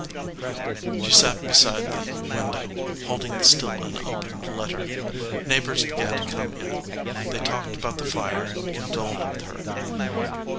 She sat beside the window, holding the still unopened letter. Neighbors began to come in. They talked about the fire and condoled with her.